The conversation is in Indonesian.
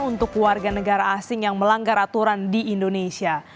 untuk warga negara asing yang melanggar aturan di indonesia